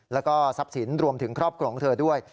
แล้วก็ทรัพย์สินรวมถึงครอบครัวของเธอด้วย